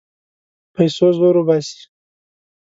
پیسو زور وباسي.